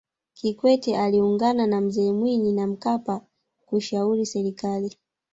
kikwete aliungana na mzee mwinyi na mkapa kushauri serikali